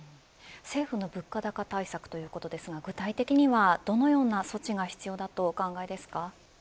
政府の物価高対策ということですが、具体的にはどのような措置が必要だとお考えですか。